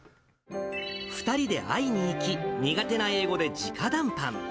２人で会いに行き、苦手な英語でじか談判。